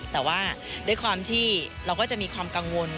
แต่ว่าด้วยความที่เราก็จะมีความกังวล